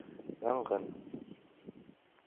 ЯНҒЫН